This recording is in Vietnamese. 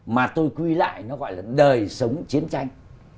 mà tôi quy lại nó gọi là đời sống chiến tranh